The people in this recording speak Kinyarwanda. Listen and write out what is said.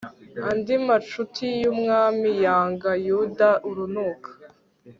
andi macuti y'umwami yanga yuda urunuka